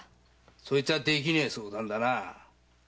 そいつあできねえ相談だなあ。